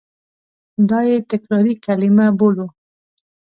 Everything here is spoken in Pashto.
دا یې تکراري کلیمه بولو.